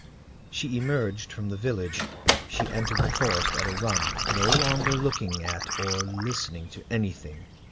She emerged from the village, she entered the forest at a run, no longer looking at or listening to anything.